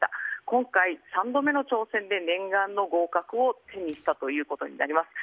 今回、３度目の挑戦で念願の合格を手にしたということになります。